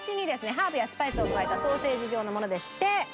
ハーブやスパイスを加えたソーセージ状のものでして。